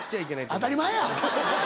当たり前や！